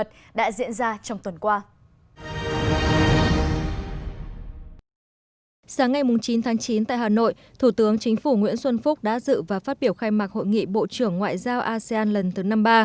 sáng ngày chín tháng chín tại hà nội thủ tướng chính phủ nguyễn xuân phúc đã dự và phát biểu khai mạc hội nghị bộ trưởng ngoại giao asean lần thứ năm mươi ba